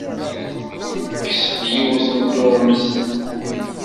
Tekkes-d yiwet n tuɣmest.